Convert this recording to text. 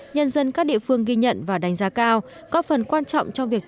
nhân dân các địa phương ghi nhận và đánh giá cao